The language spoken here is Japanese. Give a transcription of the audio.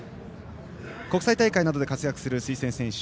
国際大会などで活躍する推薦選手